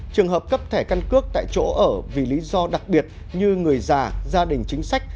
trường hợp cấp thẻ căn cước tại chỗ ở vì lý do đặc biệt như người già gia đình chính sách